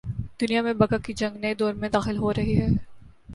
دنیا میں بقا کی جنگ نئے دور میں داخل ہو رہی ہے۔